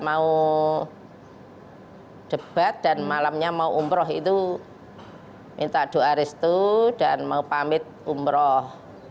mau debat dan malamnya mau umroh itu minta doa restu dan mau pamit umroh